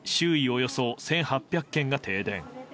およそ１８００軒が停電。